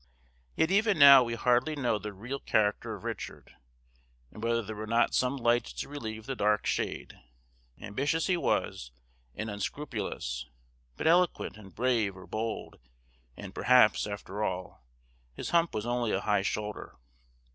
Yet even now we hardly know the real character of Richard, and whether there were not some lights to relieve the dark shade: ambitious he was, and unscrupulous, but eloquent, and brave or bold; and perhaps, after all, his hump was only a high shoulder.